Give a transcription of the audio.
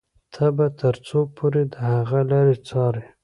ته به تر څو پورې د هغه لارې څاري.